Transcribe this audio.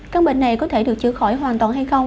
căn bệnh này có thể được chữa khỏi hoàn toàn hay không